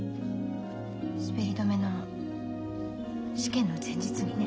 滑り止めの試験の前日にね。